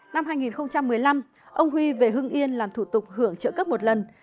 năm hai nghìn một mươi năm ông huy về hưng yên làm thủ tục hưởng trợ cấp một lần